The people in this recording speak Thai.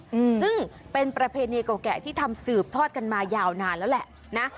อืมซึ่งเป็นประเพณีเก่าแก่ที่ทำสืบทอดกันมายาวนานแล้วแหละนะ